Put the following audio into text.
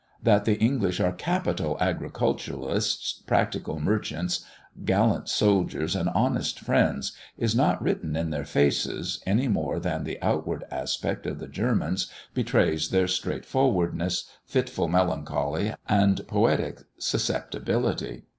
That the English are capital agriculturists, practical merchants, gallant soldiers, and honest friends, is not written in their faces, any more than the outward aspect of the Germans betrays their straight forwardness, fitful melancholy, and poetic susceptibility.